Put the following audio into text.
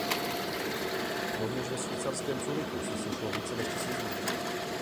Rovněž ve švýcarském Curychu se sešlo více než tisíc lidí.